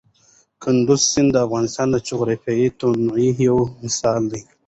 کندز سیند د افغانستان د جغرافیوي تنوع یو مثال دی.